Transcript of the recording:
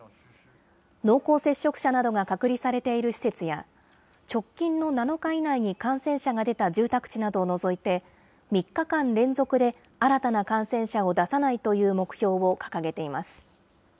濃厚接触者などが隔離されている施設や、直近の７日以内に感染者が出た住宅地などを除いて、３日間連続で新たな感染者を出さないという目標を掲げています。